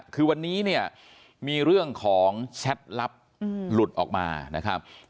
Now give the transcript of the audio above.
คือวันนี้เนี่ยมีเรื่องของแชทลับหลุดออกมานะครับ